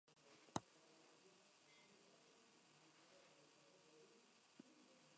Es un animal inteligente, activo, alegre y elegante, con una gran capacidad de aprendizaje.